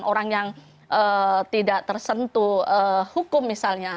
orang yang tidak tersentuh hukum misalnya